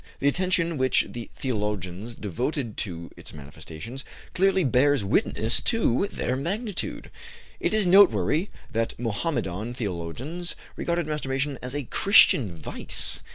The attention which the theologians devoted to its manifestations clearly bears witness to their magnitude. It is noteworthy that Mohammedan theologians regarded masturbation as a Christian vice.